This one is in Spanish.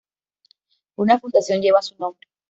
Una fundación lleva su nombre.